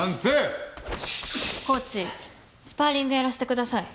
コーチスパーリングやらせてください。